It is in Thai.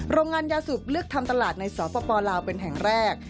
โรงงานยาสูบเลือกทำตลาดในสปลาวเป็นแห่งแรก